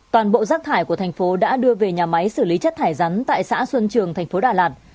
toàn bộ rác thải của thành phố đã đưa về nhà máy xử lý chất thải rắn tại xã xuân trường thành phố đà lạt